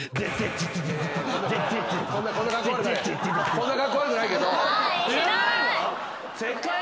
こんなカッコ悪くないけど。